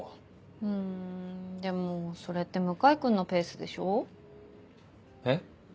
うんでもそれって向井君のペースでしょ？え？